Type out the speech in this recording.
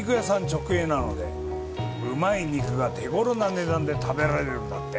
直営なのでうまい肉が手ごろな値段で食べられるんだって。